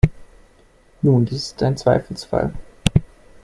Nun, dies ist ein Zweifelsfall.